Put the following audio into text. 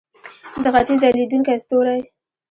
د ختیځ ځلیدونکی ستوری.